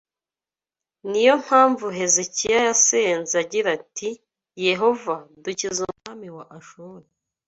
Ni yo mpamvu Hezekiya yasenze agira ati Yehova dukize umwami wa Ashuri